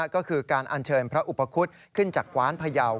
ก็คือการอัญเชิญพระอุปคุฎขึ้นจากกว้านพยาว